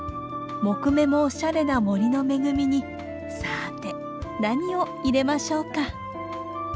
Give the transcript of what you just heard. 木目もおしゃれな森の恵みにさて何を入れましょうか？